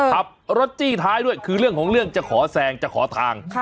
ขับรถจี้ท้ายด้วยคือเรื่องของเรื่องจะขอแซงจะขอทาง